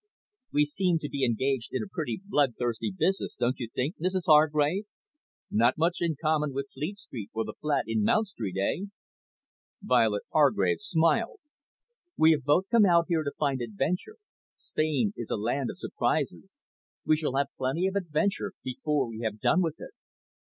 "We seem to be engaged in a pretty bloodthirsty business, don't you think, Mrs Hargrave? Not much in common with Fleet Street, or the flat in Mount Street, eh?" Violet Hargrave smiled. "We have both come out here to find adventure. Spain is a land of surprises. We shall have plenty of adventure before we have done with it."